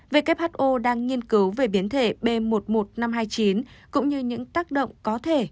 who đang nghiên cứu về biến thể b một mươi một nghìn năm trăm hai mươi chín cũng như những tác động có thể